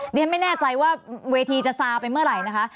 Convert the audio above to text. ฉันไม่แน่ใจว่าเวทีจะซาไปเมื่อไหร่นะคะ